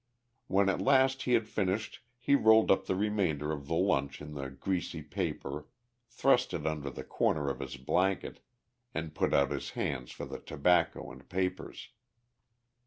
When at last he had finished he rolled up the remainder of the lunch in the greasy paper, thrust it under the corner of his blanket, and put out his hands for the tobacco and papers.